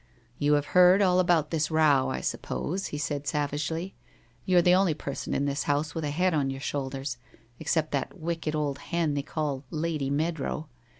' You have heard all about this row, I suppose,' said he savagely. ' You're the only person in this house with a head on your shoulders, except that wicked old hen they call Lady Meadrow.